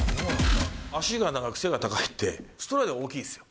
足が長く、背が高いって、ストライドが大きいですよ。